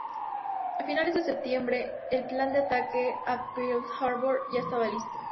A finales de septiembre el plan de ataque a Pearl Harbor ya estaba listo.